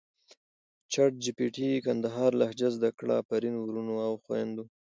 چټ جې پې ټې کندهارې لهجه زده کړه افرین ورونو او خویندو!